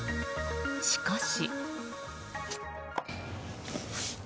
しかし。